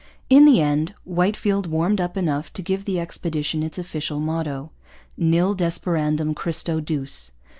In the end Whitefield warmed up enough to give the expedition its official motto: 'Nil desperandum Christo Duce.'